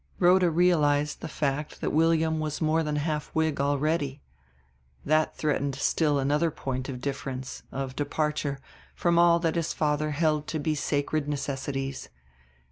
Rhoda realized the fact that William was more than half Whig already. That threatened still another point of difference, of departure, from all that his father held to be sacred necessities.